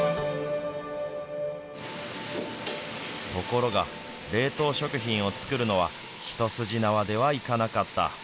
ところが、冷凍食品を作るのは、一筋縄ではいかなかった。